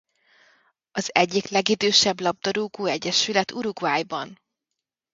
Az egyik legidősebb labdarúgó egyesület Uruguayban.